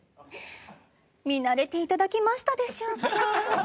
見慣れて頂きましたでしょうか？